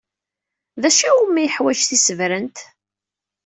D acu umi yeḥwaj tisebrent?